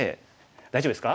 大丈夫ですか？